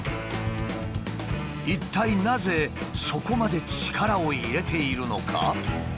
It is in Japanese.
一体なぜそこまで力を入れているのか？